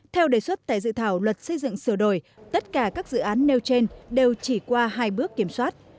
theo đề xuất tại dự thảo luật xây dựng sửa đổi tất cả các dự án nêu trên đều chỉ qua hai bước kiểm soát